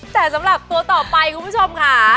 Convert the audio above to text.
แต่สำหรับตัวต่อไปคุณผู้ชมค่ะ